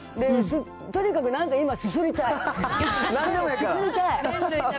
とにかく、なんか今、すすりたい。